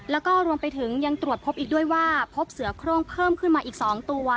แล้วก็รวมไปถึงยังตรวจพบอีกด้วยว่าพบเสือโครงเพิ่มขึ้นมาอีก๒ตัว